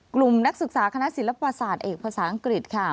นักศึกษาคณะศิลปศาสตร์เอกภาษาอังกฤษค่ะ